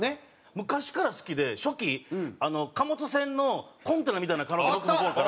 昔から好きで初期貨物船のコンテナみたいなカラオケボックスの頃から。